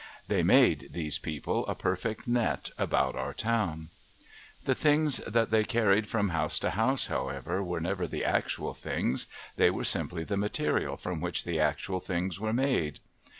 They made, these people, a perfect net about our town. The things that they carried from house to house, however, were never the actual things; they were simply the material from which the actual things were made.